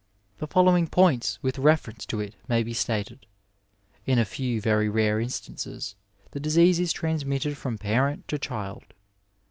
The following points with reference to it may be stated : In a few very rare instances the disease is transmitted from parent to child.